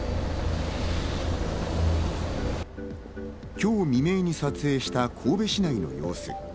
今日未明に撮影した神戸市内の様子。